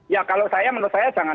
ya kalau saya menurut saya jangan